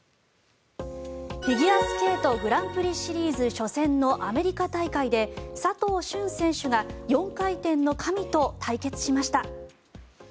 フィギュアスケートグランプリシリーズ初戦のアメリカ大会で佐藤駿選手が４回転の神と対決しました。